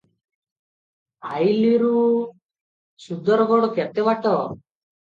ଆଇଁଲିରୁ ସୁନ୍ଦରଗଡ଼ କେତେ ବାଟ?